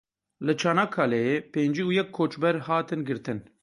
Li Çanakkaleyê pêncî û yek koçber hatin girtin.